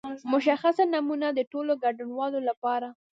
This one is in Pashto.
مشخصه نمونه د ټولو ګډونوالو لپاره.